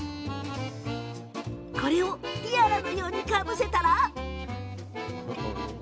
これをティアラのようにかぶせたら。